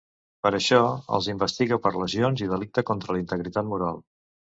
Per això, els investiga per lesions i delicte contra la integritat moral.